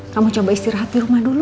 kamu coba istirahat di rumah dulu